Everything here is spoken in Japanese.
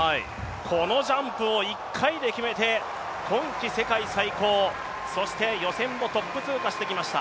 このジャンプを１回で決めて、今季世界最高、そして予選もトップ通過してきました。